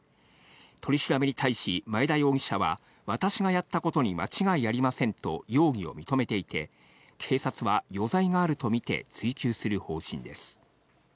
取り調べに対し前田容疑者は、私がやったことに間違いありませんと容疑を認めていて、警察は余罪があると見て追及する方針です。